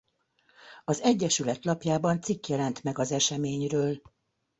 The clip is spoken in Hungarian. Az Egyesület lapjában cikk jelent meg az eseményről.